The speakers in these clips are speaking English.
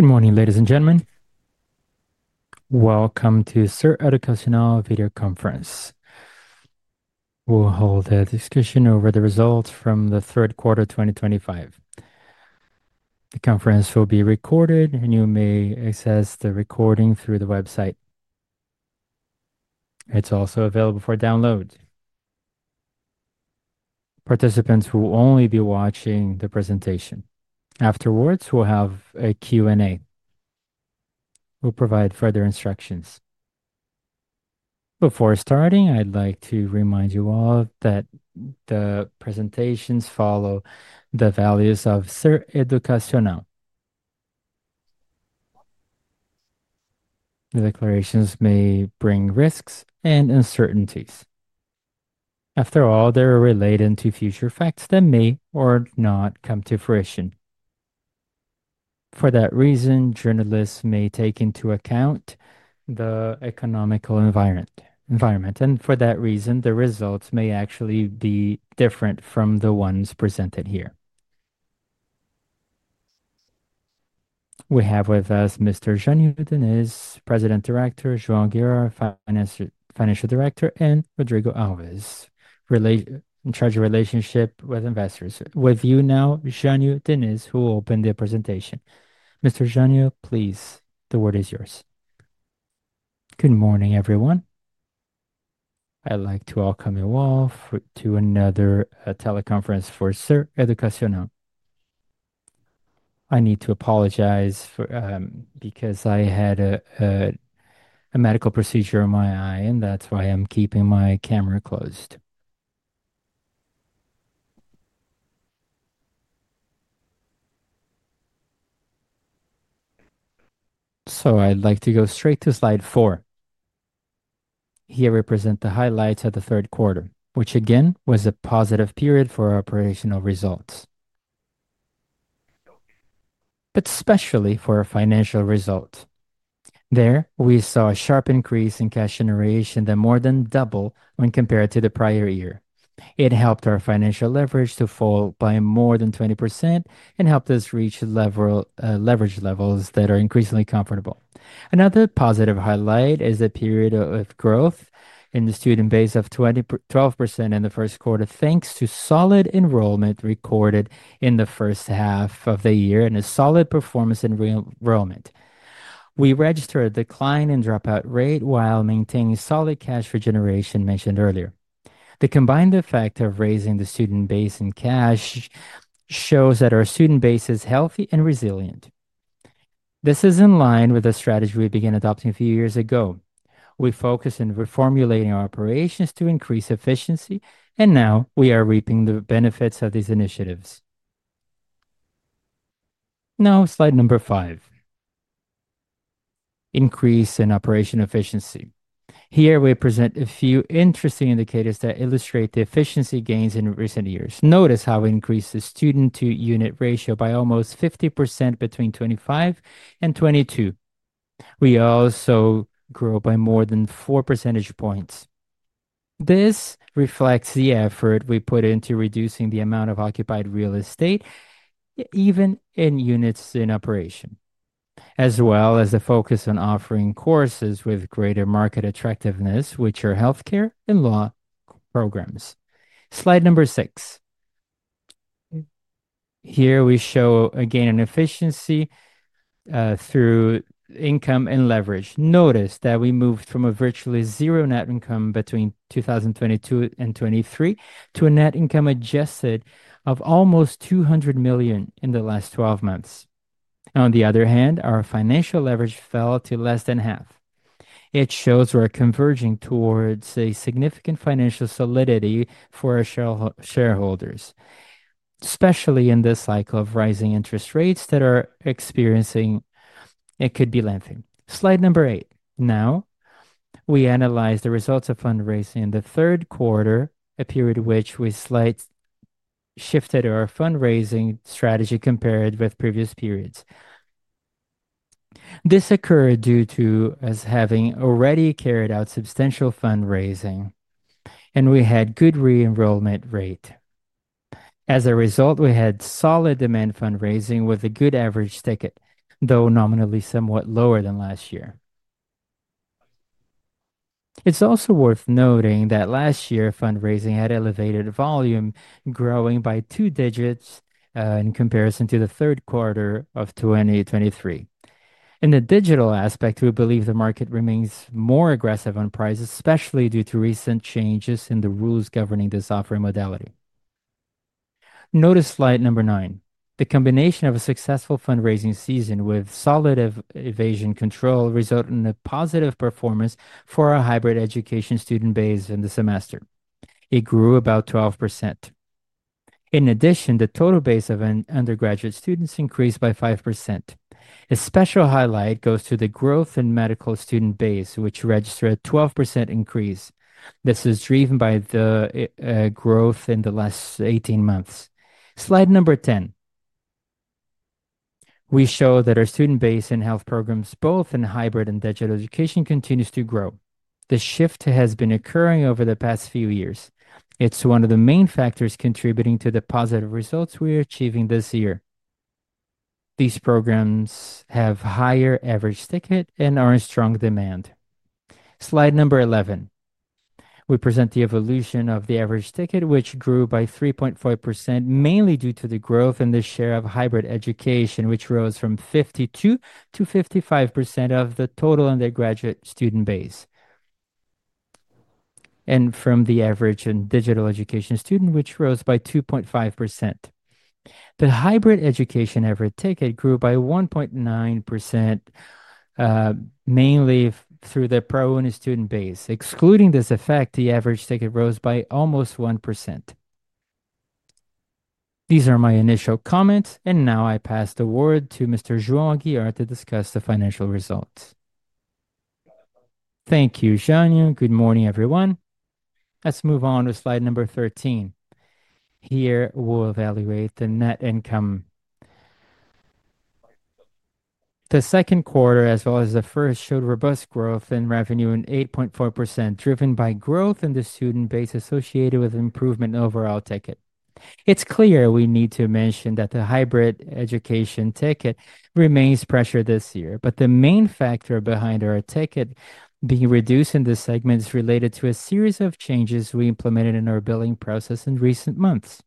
Good morning, ladies and gentlemen. Welcome to Ser Educacional Video Conference. We'll hold a discussion over the results from the third quarter 2025. The conference will be recorded, and you may access the recording through the website. It's also available for download. Participants will only be watching the presentation. Afterwards, we'll have a Q&A. We'll provide further instructions. Before starting, I'd like to remind you all that the presentations follow the values of Ser Educacional. The declarations may bring risks and uncertainties. After all, they're related to future facts that may or not come to fruition. For that reason, journalists may take into account the economic environment, and for that reason, the results may actually be different from the ones presented here. We have with us Mr.Jânyo Diniz, President and CEO, João Aguiar, CFO, and Rodrigo Alves, Head of Investor Relations. With you now Jânyo Diniz, who opened the presentation. Mr. Jânyo please, the word is yours. Good morning, everyone. I'd like to welcome you all to another teleconference for Ser Educacional. I need to apologize because I had a medical procedure in my eye, and that's why I'm keeping my camera closed. I'd like to go straight to slide four. Here we present the highlights of the third quarter, which again was a positive period for operational results, but especially for our financial results. There we saw a sharp increase in cash generation that more than doubled when compared to the prior year. It helped our financial leverage to fall by more than 20% and helped us reach leverage levels that are increasingly comfortable. Another positive highlight is the period of growth in the student base of 12% in the first quarter, thanks to solid enrollment recorded in the first half of the year and a solid performance in re-enrollment. We registered a decline in dropout rate while maintaining solid cash flow generation mentioned earlier. The combined effect of raising the student base and cash shows that our student base is healthy and resilient. This is in line with the strategy we began adopting a few years ago. We focused on reformulating our operations to increase efficiency, and now we are reaping the benefits of these initiatives. Now, slide number five. Increase in operational efficiency. Here we present a few interesting indicators that illustrate the efficiency gains in recent years. Notice how we increased the student-to-unit ratio by almost 50% between 2025 and 2022. We also grew by more than 4 percentage points. This reflects the effort we put into reducing the amount of occupied real estate, even in units in operation, as well as the focus on offering courses with greater market attractiveness, which are healthcare and law programs. Slide number six. Here we show again an efficiency through income and leverage. Notice that we moved from a virtually zero net income between 2022 and 2023 to a net income adjusted of almost 200 million in the last 12 months. On the other hand, our financial leverage fell to less than half. It shows we are converging towards a significant financial solidity for our shareholders, especially in this cycle of rising interest rates that are experiencing—it could be landing. Slide number eight. Now, we analyze the results of fundraising in the third quarter, a period which we slightly shifted our fundraising strategy compared with previous periods. This occurred due to us having already carried out substantial fundraising, and we had a good re-enrollment rate. As a result, we had solid demand fundraising with a good average ticket, though nominally somewhat lower than last year. It's also worth noting that last year fundraising had elevated volume, growing by two digits in comparison to the third quarter of 2023. In the digital aspect, we believe the market remains more aggressive on prices, especially due to recent changes in the rules governing this offering modality. Notice slide number nine. The combination of a successful fundraising season with solid evasion control resulted in a positive performance for our hybrid education student base in the semester. It grew about 12%. In addition, the total base of undergraduate students increased by 5%. A special highlight goes to the growth in medical student base, which registered a 12% increase. This is driven by the growth in the last 18 months. Slide number ten. We show that our student base in health programs, both in hybrid and digital education, continues to grow. The shift has been occurring over the past few years. It's one of the main factors contributing to the positive results we're achieving this year. These programs have higher average ticket and are in strong demand. Slide number eleven. We present the evolution of the average ticket, which grew by 3.5%, mainly due to the growth in the share of hybrid education, which rose from 52% to 55% of the total undergraduate student base, and from the average in digital education student, which rose by 2.5%. The hybrid education average ticket grew by 1.9%, mainly through the ProUni student base. Excluding this effect, the average ticket rose by almost 1%. These are my initial comments, and now I pass the word to Mr. João Aguiar to discuss the financial results. Thank you, .Jânyo Good morning, everyone. Let's move on to slide number 13. Here we'll evaluate the net income. The second quarter, as well as the first, showed robust growth in revenue and 8.4%, driven by growth in the student base associated with improvement overall ticket. It's clear we need to mention that the hybrid education ticket remains pressured this year, but the main factor behind our ticket being reduced in the segment is related to a series of changes we implemented in our billing process in recent months.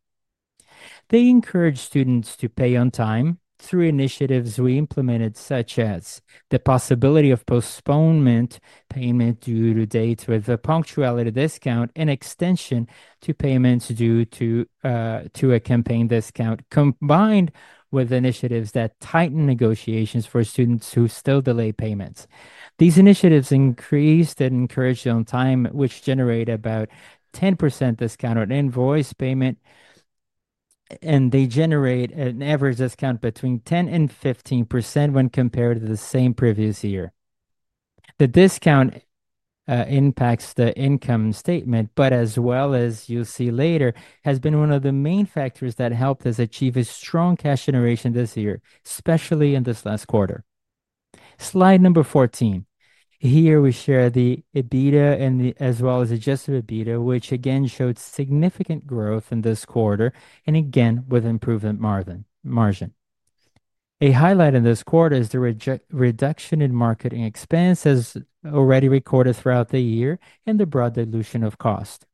They encourage students to pay on time through initiatives we implemented, such as the possibility of postponement payment due to date with a punctuality discount and extension to payments due to a campaign discount, combined with initiatives that tighten negotiations for students who still delay payments. These initiatives increased and encouraged on time, which generated about 10% discount on invoice payment, and they generate an average discount between 10% to 15% when compared to the same previous year. The discount impacts the income statement, but as well as you'll see later, has been one of the main factors that helped us achieve a strong cash generation this year, especially in this last quarter. Slide number 14. Here we share the EBITDA and as well as Adjusted EBITDA, which again showed significant growth in this quarter, and again with improvement margin. A highlight in this quarter is the reduction in marketing expense, as already recorded throughout the year, and the broad dilution of cost.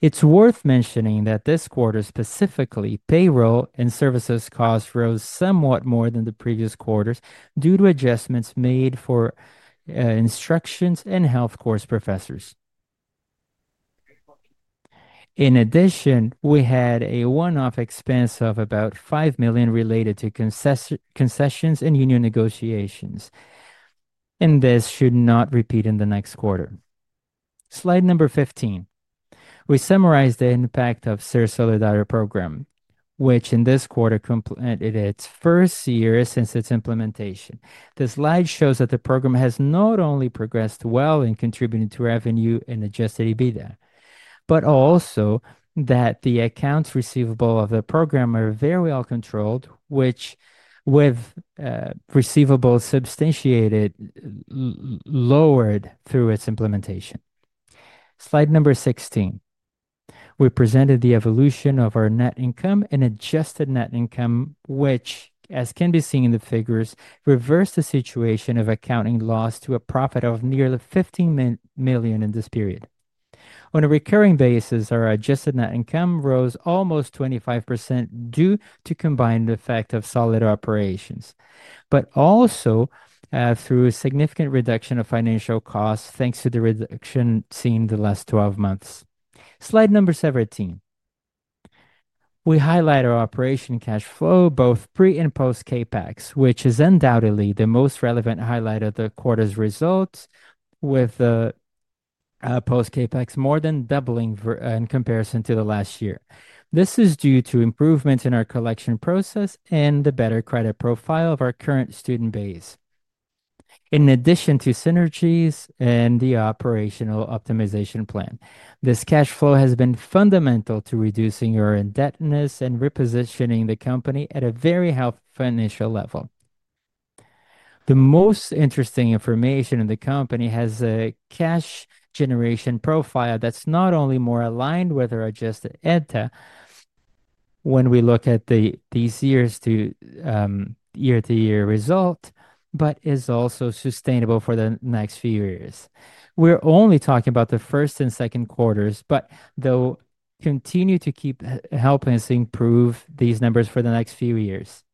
It's worth mentioning that this quarter specifically payroll and services cost rose somewhat more than the previous quarters due to adjustments made for instructions and health course professors. In addition, we had a one-off expense of about 5 million related to concessions and union negotiations, and this should not repeat in the next quarter. Slide number 15. We summarize the impact of Ser Solidario Program, which in this quarter completed its first year since its implementation. The slide shows that the program has not only progressed well in contributing to revenue and Adjusted EBITDA, but also that the accounts receivable of the program are very well controlled, which with receivables substantiated lowered through its implementation. Slide number 16. We presented the evolution of our net income and adjusted net income, which, as can be seen in the figures, reversed the situation of accounting loss to a profit of nearly 15 million in this period. On a recurring basis, our adjusted net income rose almost 25% due to combined effect of solid operations, but also through a significant reduction of financial costs thanks to the reduction seen in the last 12 months. Slide number 17. We highlight our operation cash flow, both pre and post-CAPEX, which is undoubtedly the most relevant highlight of the quarter's results, with the post-CAPEX more than doubling in comparison to the last year. This is due to improvements in our collection process and the better credit profile of our current student base, in addition to synergies and the operational optimization plan. This Cash flow has been fundamental to reducing our indebtedness and repositioning the company at a very high financial level. The most interesting information in the company has a cash generation profile that's not only more aligned with our Adjusted EBITDA when we look at these years to year-to-year result, but is also sustainable for the next few years. We're only talking about the first and second quarters, but they'll continue to keep helping us improve these numbers for the next few years.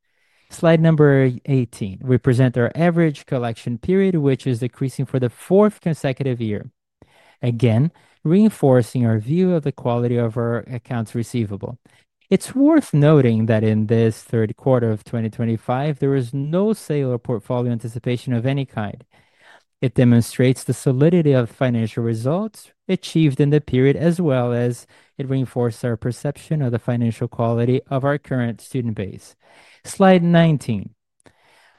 Slide number 18. We present our average collection period, which is decreasing for the fourth consecutive year, again reinforcing our view of the quality of our accounts receivable. It's worth noting that in this third quarter of 2025, there is no sale or portfolio anticipation of any kind. It demonstrates the solidity of financial results achieved in the period, as well as it reinforces our perception of the financial quality of our current student base. Slide 19.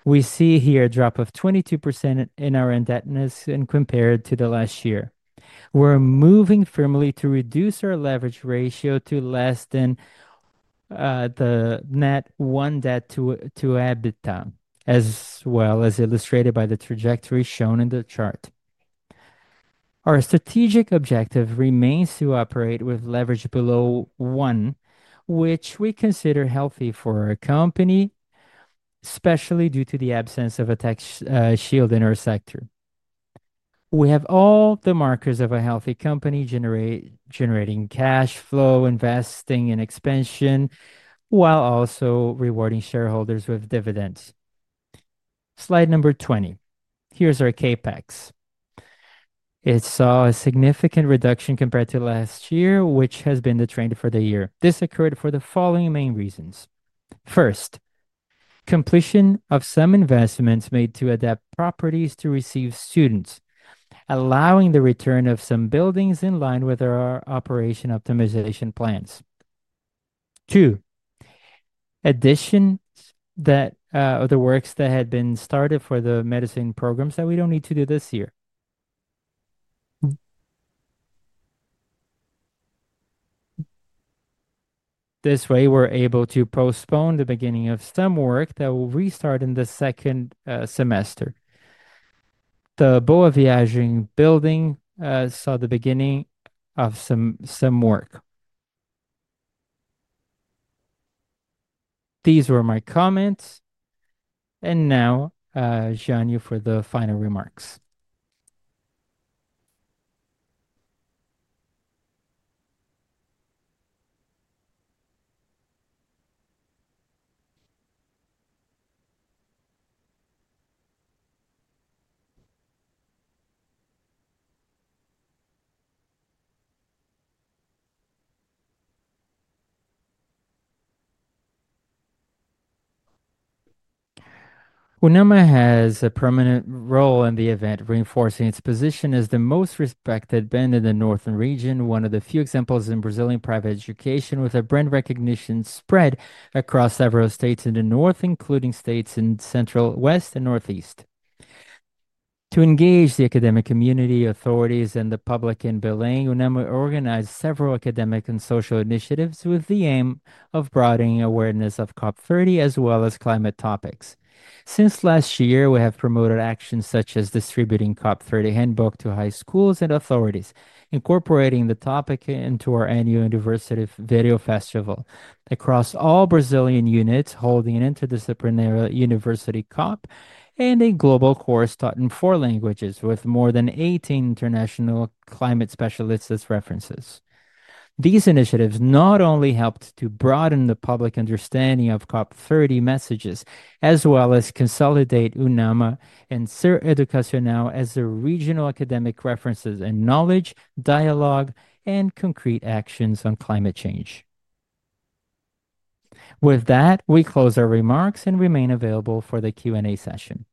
We see here a drop of 22% in our indebtedness compared to the last year. We're moving firmly to reduce our leverage ratio to less than the net one debt to EBITDA, as well as illustrated by the trajectory shown in the chart. Our strategic objective remains to operate with leverage below one, which we consider healthy for our company, especially due to the absence of a tax shield in our sector. We have all the markers of a healthy company generating Cash flow, investing in expansion, while also rewarding shareholders with dividends. Slide number 20. Here's our CAPEX. It saw a significant reduction compared to last year, which has been the trend for the year. This occurred for the following main reasons. First, completion of some investments made to adapt properties to receive students, allowing the return of some buildings in line with our operation optimization plans. Two, additions that of the works that had been started for the medicine programs that we do not need to do this year. This way, we are able to postpone the beginning of some work that will restart in the second semester. The Beauvais Building saw the beginning of some work. These were my comments, and now, Jânyo for the final remarks. Unama has a permanent role in the event, reinforcing its position as the most respected brand in the northern region, one of the few examples in Brazilian private education, with a brand recognition spread across several states in the north, including states in central, west, and northeast. To engage the academic community, authorities, and the public in Belém, Unama organized several academic and social initiatives with the aim of broadening awareness of COP30, as well as climate topics. Since last year, we have promoted actions such as distributing COP30 handbooks to high schools and authorities, incorporating the topic into our annual university video festival across all Brazilian units, holding an interdisciplinary university COP and a global course taught in four languages, with more than 18 international climate specialists as references. These initiatives not only helped to broaden the public understanding of COP30 messages, as well as consolidate Unama and Ser Educacional as the regional academic references and knowledge, dialogue, and concrete actions on climate change. With that, we close our remarks and remain available for the Q&A session.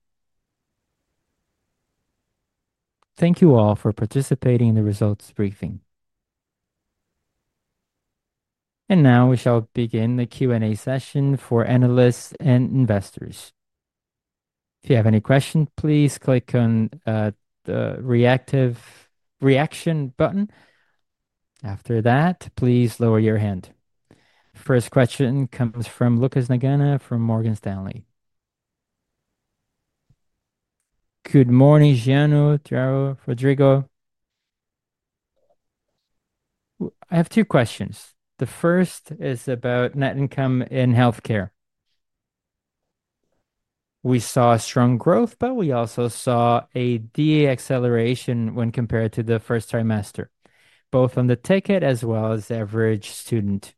Thank you all for participating in the results briefing. We shall begin the Q&A session for analysts and investors. If you have any questions, please click on the reaction button. After that, please lower your hand. First question comes from Lucas Nagano from Morgan Stanley. Good morning, Jânyo, João, Rodrigo. I have two questions. The first is about net income in healthcare. We saw strong growth, but we also saw a DA acceleration when compared to the first trimester, both on the ticket as well as average student.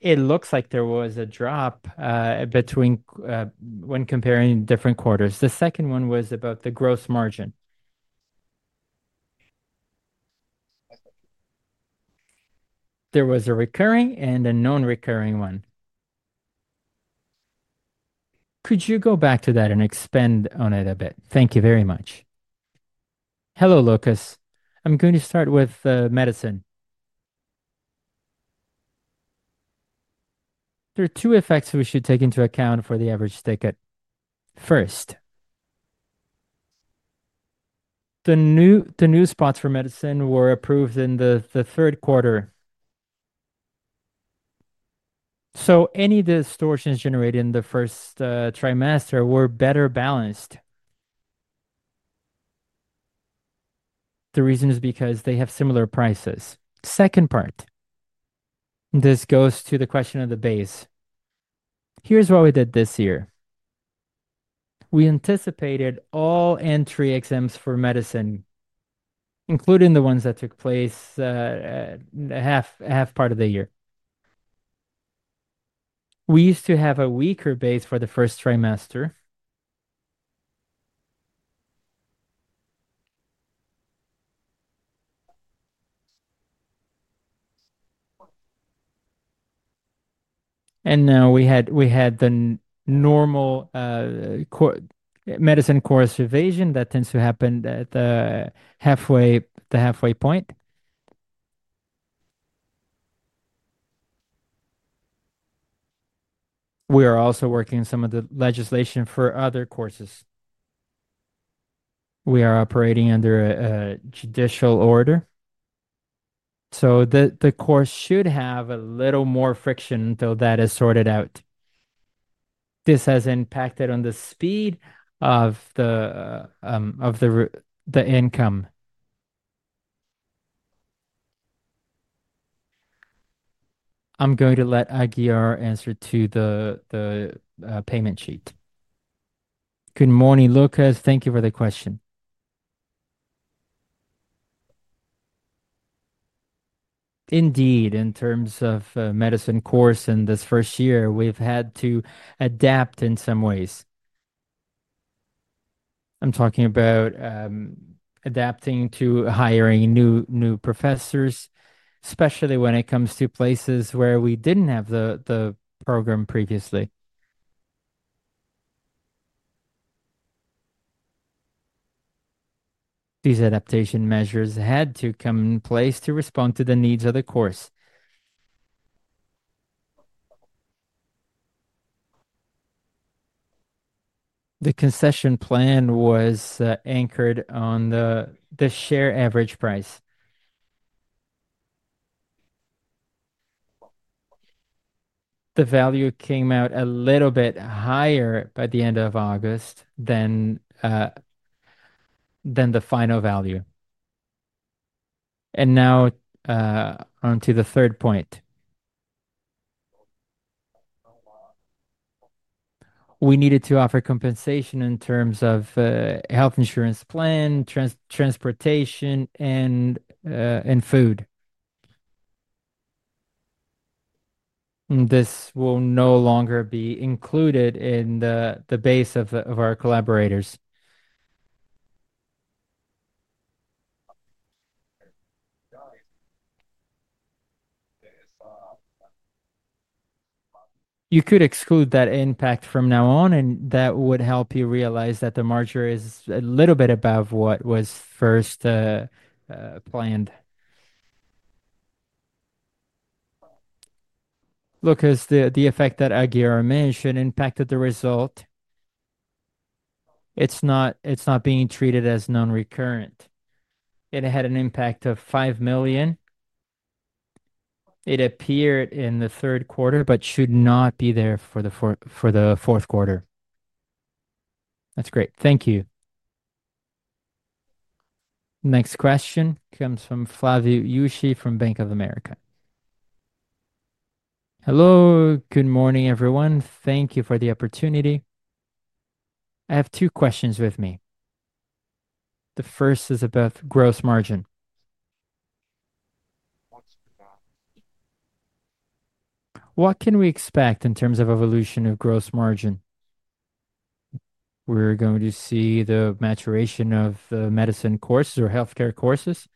It looks like there was a drop, between, when comparing different quarters. The second one was about the gross margin. There was a recurring and a non-recurring one. Could you go back to that and expand on it a bit? Thank you very much. Hello, Lucas. I'm going to start with the medicine. There are two effects we should take into account for the average ticket. First, the new spots for medicine were approved in the third quarter. Any distortions generated in the first trimester were better balanced. The reason is because they have similar prices. Second part, this goes to the question of the base. Here's what we did this year. We anticipated all entry exams for medicine, including the ones that took place half half part of the year. We used to have a weaker base for the first trimester. Now we had the normal medicine course evasion that tends to happen at the halfway point. We are also working on some of the legislation for other courses. We are operating under a judicial order. The course should have a little more friction until that is sorted out. This has impacted on the speed of the income. I'm going to let Aguiar answer to the payment sheet. Good morning, Lucas. Thank you for the question. Indeed, in terms of medicine course in this first year, we've had to adapt in some ways. I'm talking about adapting to hiring new professors, especially when it comes to places where we didn't have the program previously. These adaptation measures had to come in place to respond to the needs of the course. The concession plan was anchored on the share average price. The value came out a little bit higher by the end of August than the final value. Now, onto the third point. We needed to offer compensation in terms of health insurance plan, transportation, and food. This will no longer be included in the base of our collaborators. You could exclude that impact from now on, and that would help you realize that the margin is a little bit above what was first planned. Look, as the effect that Aguiar mentioned impacted the result, it's not being treated as non-recurrent. It had an impact of 5 million. It appeared in the third quarter, but should not be there for the fourth quarter. That's great. Thank you. Next question comes from Flavio Yoshi from Bank of America. Hello, good morning, everyone. Thank you for the opportunity. I have two questions with me. The first is about Gross Margin. What can we expect in terms of evolution of Gross Margin? We're going to see the maturation of the medicine courses or healthcare courses.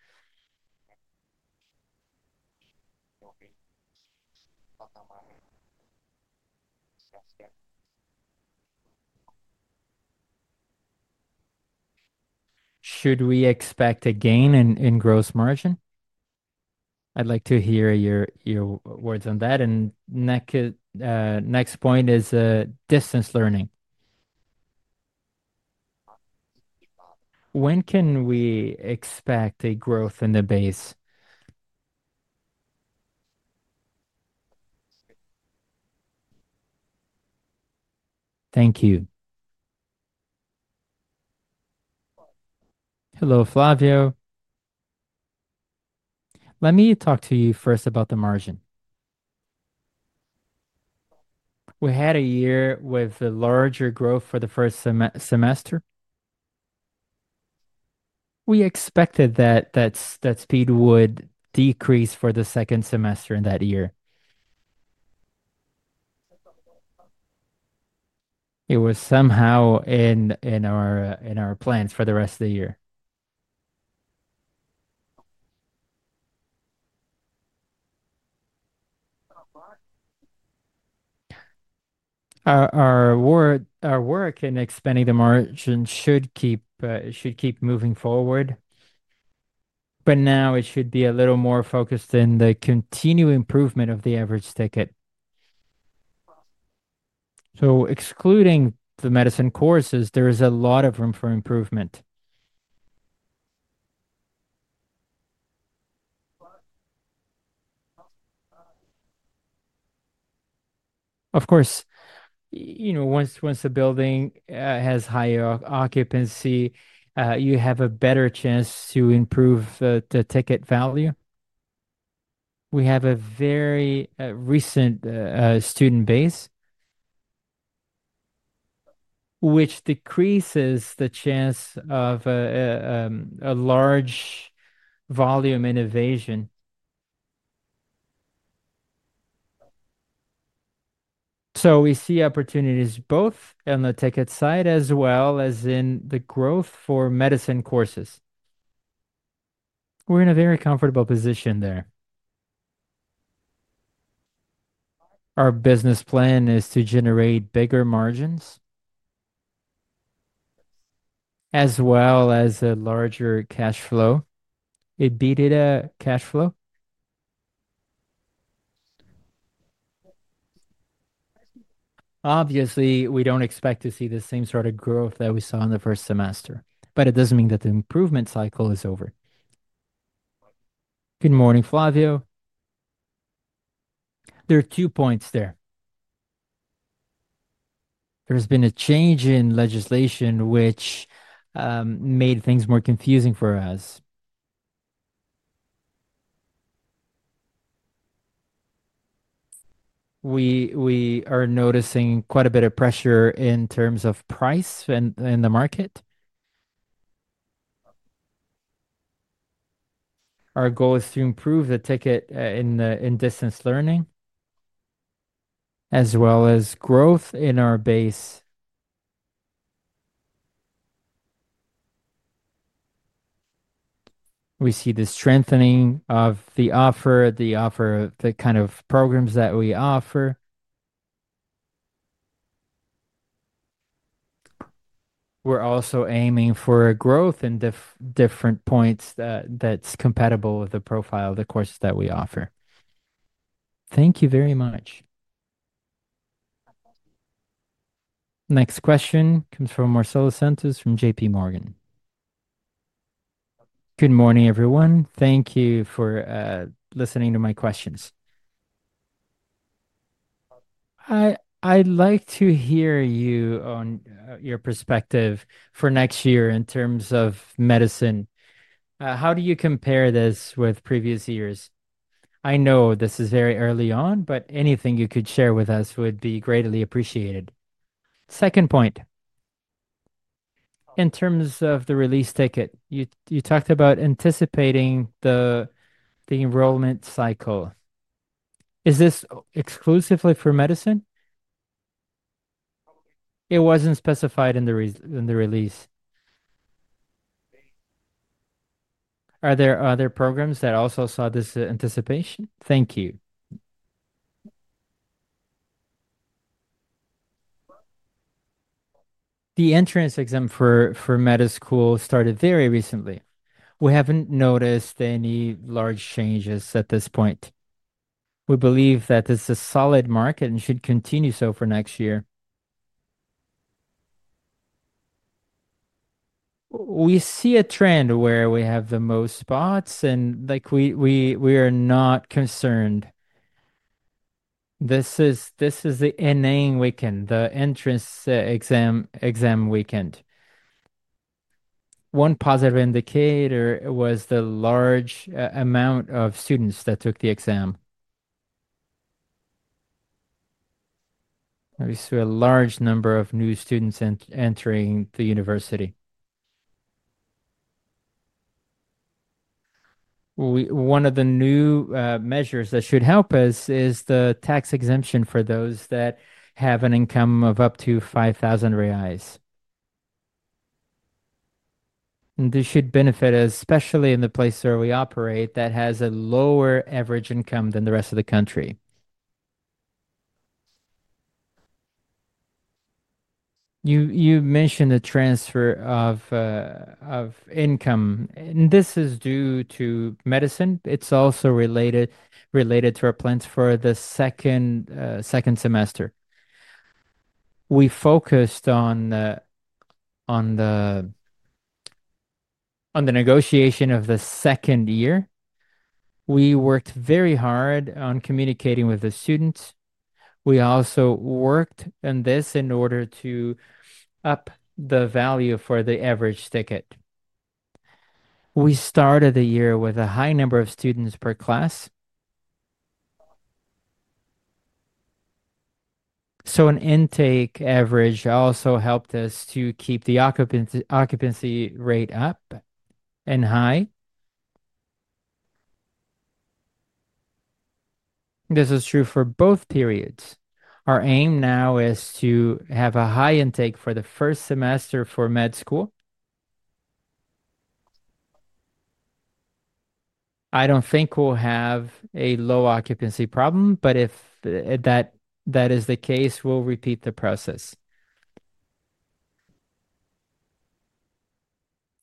Should we expect a gain in Gross Margin? I'd like to hear your words on that. Next point is distance learning. When can we expect a growth in the base? Thank you. Hello, Flavio. Let me talk to you first about the margin. We had a year with a larger growth for the first semester. We expected that speed would decrease for the second semester in that year. It was somehow in our plans for the rest of the year. Our work in expanding the margin should keep moving forward, but now it should be a little more focused in the continued improvement of the average ticket. Excluding the medicine courses, there is a lot of room for improvement. Of course, you know, once the building has higher occupancy, you have a better chance to improve the ticket value. We have a very recent student base, which decreases the chance of a large volume innovation. We see opportunities both on the ticket side as well as in the growth for medicine courses. We are in a very comfortable position there. Our business plan is to generate bigger margins, as well as a larger Cash flow. EBITDA Cash flow. Obviously, we do not expect to see the same sort of growth that we saw in the first semester, but it does not mean that the improvement cycle is over. Good morning, Flavio. There are two points there. There has been a change in legislation, which made things more confusing for us. We are noticing quite a bit of pressure in terms of price and in the market. Our goal is to improve the ticket in distance learning, as well as growth in our base. We see the strengthening of the offer, the offer, the kind of programs that we offer. We're also aiming for a growth in different points that's compatible with the profile, the courses that we offer. Thank you very much. Next question comes from Marcelo Santos from JP Morgan. Good morning, everyone. Thank you for listening to my questions. I'd like to hear you on your perspective for next year in terms of medicine. How do you compare this with previous years? I know this is very early on, but anything you could share with us would be greatly appreciated. Second point. In terms of the release ticket, you talked about anticipating the enrollment cycle. Is this exclusively for medicine? It wasn't specified in the release. Are there other programs that also saw this anticipation? Thank you. The entrance exam for med school started very recently. We haven't noticed any large changes at this point. We believe that this is a solid market and should continue so for next year. We see a trend where we have the most spots, and we are not concerned. This is the ending weekend, the entrance exam weekend. One positive indicator was the large amount of students that took the exam. We see a large number of new students entering the university. One of the new measures that should help us is the tax exemption for those that have an income of up to 5,000 reais. This should benefit us, especially in the place where we operate that has a lower average income than the rest of the country. You mentioned the transfer of income, and this is due to medicine. It's also related to our plans for the second semester. We focused on the negotiation of the second year. We worked very hard on communicating with the students. We also worked on this in order to up the value for the average ticket. We started the year with a high number of students per class. So an intake average also helped us to keep the occupancy rate up and high. This is true for both periods. Our aim now is to have a high intake for the first semester for med school. I don't think we'll have a low occupancy problem, but if that is the case, we'll repeat the process.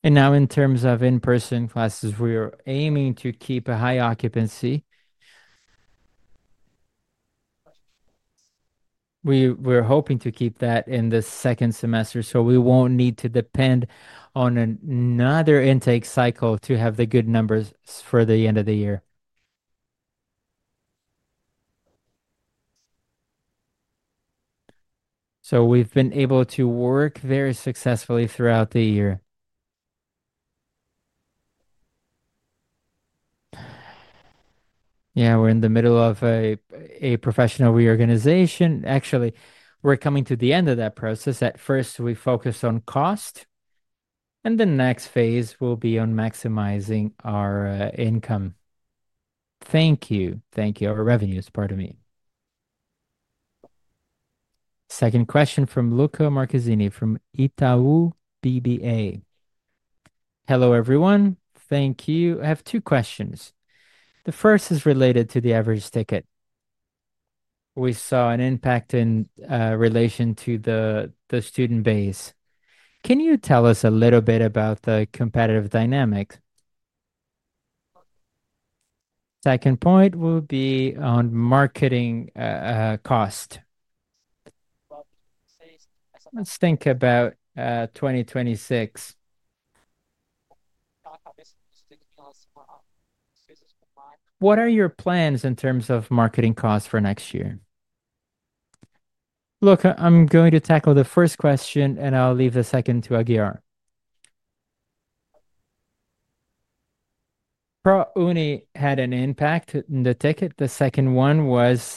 In terms of in-person classes, we are aiming to keep a high occupancy. We were hoping to keep that in the second semester, so we will not need to depend on another intake cycle to have the good numbers for the end of the year. We have been able to work very successfully throughout the year. Yeah, we are in the middle of a professional reorganization. Actually, we are coming to the end of that process. At first, we focused on cost, and the next phase will be on maximizing our income. Thank you. Thank you. Our revenue, pardon me. Second question from Luca Marchesini from Itau BBA. Hello, everyone. Thank you. I have two questions. The first is related to the average ticket. We saw an impact in relation to the student base. Can you tell us a little bit about the competitive dynamic? Second point will be on marketing cost. Let us think about 2026. What are your plans in terms of marketing costs for next year? Look, I'm going to tackle the first question, and I'll leave the second to Aguiar. ProUni had an impact in the ticket. The second one was,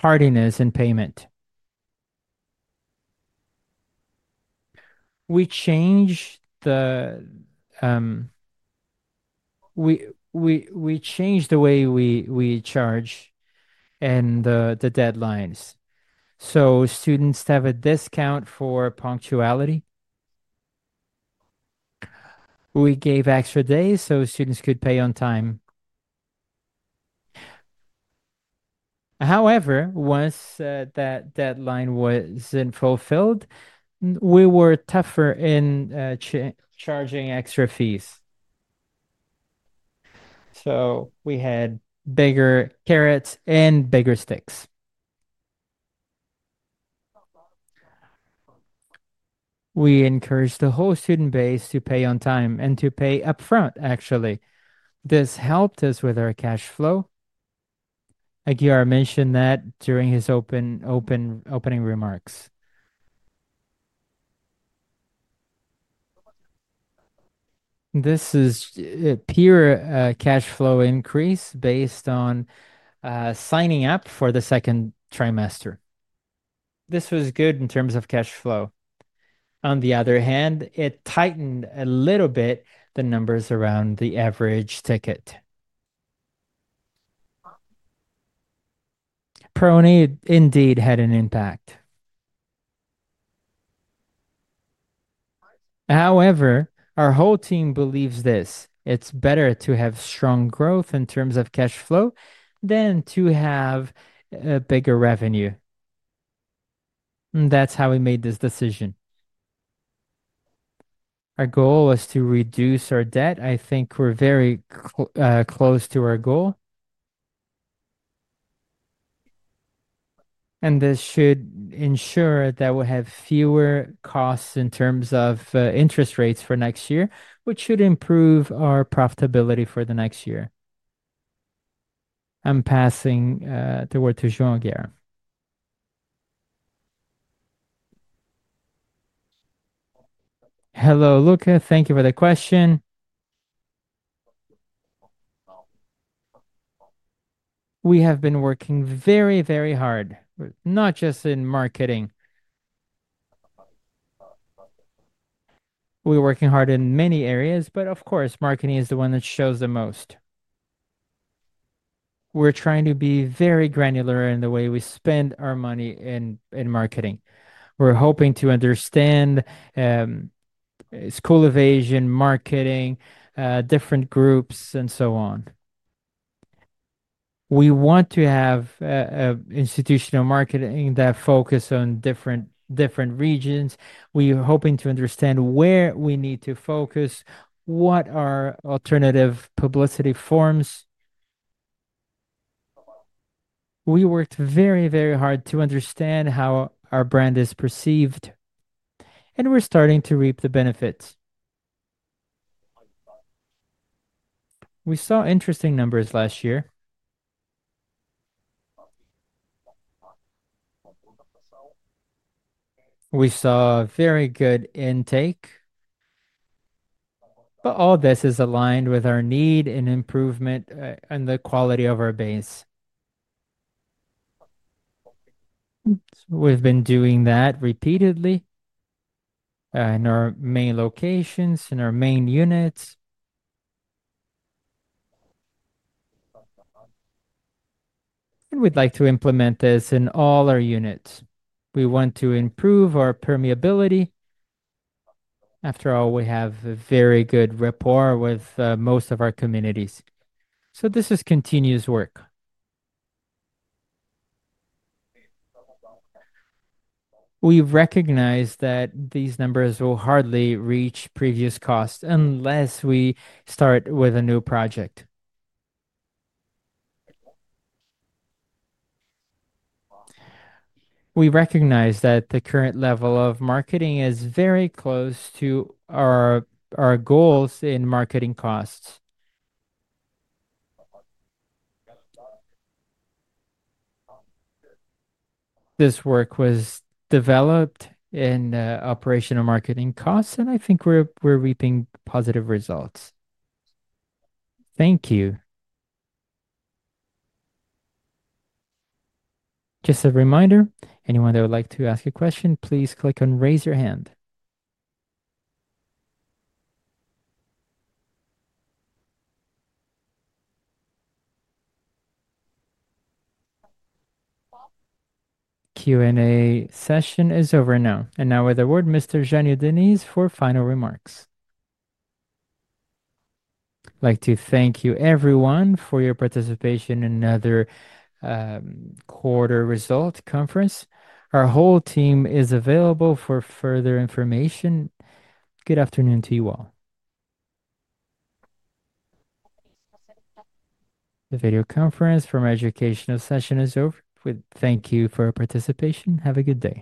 hardiness in payment. We changed the way we charge and the deadlines. So students have a discount for punctuality. We gave extra days so students could pay on time. However, once that deadline wasn't fulfilled, we were tougher in charging extra fees. So we had bigger carrots and bigger sticks. We encouraged the whole student base to pay on time and to pay upfront, actually. This helped us with our Cash flow. Aguiar mentioned that during his opening remarks. This is a pure cash flow increase based on signing up for the second trimester. This was good in terms of Cash flow. On the other hand, it tightened a little bit the numbers around the average ticket. ProUni indeed had an impact. However, our whole team believes this. It's better to have strong growth in terms of cash flow than to have a bigger revenue. That's how we made this decision. Our goal was to reduce our debt. I think we're very close to our goal. This should ensure that we have fewer costs in terms of interest rates for next year, which should improve our profitability for the next year. I'm passing the word to João Aguiar Hello, Luca. Thank you for the question. We have been working very, very hard, not just in marketing. We're working hard in many areas, but of course, marketing is the one that shows the most. We're trying to be very granular in the way we spend our money in marketing. We're hoping to understand school evasion, marketing, different groups, and so on. We want to have an institutional marketing that focuses on different regions. We are hoping to understand where we need to focus, what are alternative publicity forms. We worked very, very hard to understand how our brand is perceived, and we're starting to reap the benefits. We saw interesting numbers last year. We saw a very good intake, but all this is aligned with our need and improvement and the quality of our base. We've been doing that repeatedly in our main locations, in our main units. We would like to implement this in all our units. We want to improve our permeability. After all, we have a very good rapport with most of our communities. This is continuous work. We recognize that these numbers will hardly reach previous costs unless we start with a new project. We recognize that the current level of marketing is very close to our goals in marketing costs. This work was developed in operational marketing costs, and I think we're reaping positive results. Thank you. Just a reminder, anyone that would like to ask a question, please click on raise your hand. Q&A session is over now. Now with the word, Mr. Jânyo Diniz, for final remarks. I'd like to thank you everyone for your participation in another quarter result conference. Our whole team is available for further information. Good afternoon to you all. The video conference from educational session is over. Thank you for participation. Have a good day.